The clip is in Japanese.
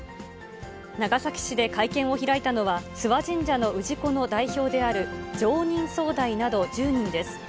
長崎市で会見を開いたのは、諏訪神社の氏子の代表である常任総代など１０人です。